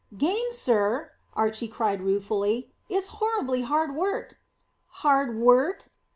"Game, sir!" said Archy ruefully; "it's horribly hard work!" "Hard work!